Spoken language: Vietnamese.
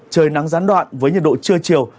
trời nắng gián đoạn với nhiệt độ trưa chiều